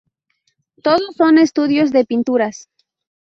Todos son estudios de pinturas.